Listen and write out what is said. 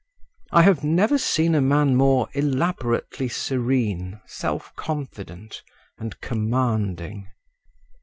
I have never seen a man more elaborately serene, self confident, and commanding.